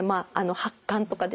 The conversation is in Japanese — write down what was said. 発汗とかですね